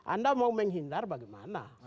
anda mau menghindar bagaimana